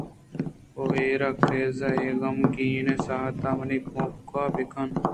او ہیرا کلیزؔ ! اے غمیگیں ساعت ءَ منی کُمکّ ءَ بِہ کن